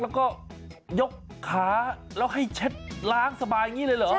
แล้วก็ยกขาแล้วให้เช็ดล้างสบายอย่างนี้เลยเหรอ